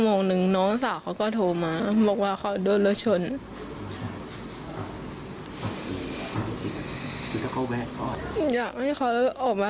มึงก็จะเป็นอย่างไรฟังค่ะ